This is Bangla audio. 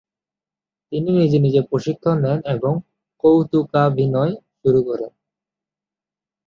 তিনি নিজে নিজে প্রশিক্ষন নেন এবং কৌতুকাভিনয় শুরু করেন।